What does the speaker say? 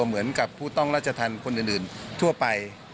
เหมือนกับผู้ต้องราชธรรมคนอื่นทั่วไป